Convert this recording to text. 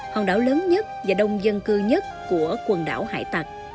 hòn đảo lớn nhất và đông dân cư nhất của quần đảo hải tạc